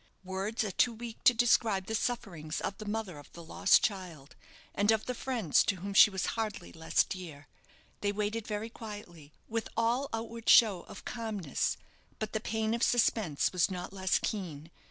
Words are too weak to describe the sufferings of the mother of the lost child, and of the friends to whom she was hardly less dear. They waited very quietly, with all outward show of calmness, but the pain of suspense was not less keen.